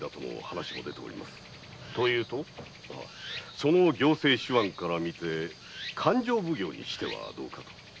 その行政手腕からみて勘定奉行にしてはどうかと。